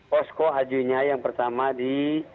posko ajunya yang pertama di